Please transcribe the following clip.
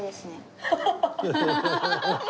ハハハハハ。